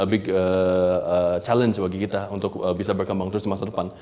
big challenge bagi kita untuk bisa berkembang terus di masa depan